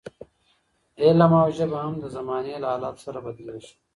علم او ژبه هم د زمانې له حالاتو سره بدلېږي.